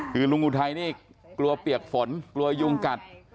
คือลุงอุทัยนี่กลัวเปียกฝนกลัวยุงกัด